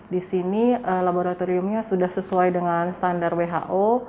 di sini laboratoriumnya sudah sesuai dengan standar who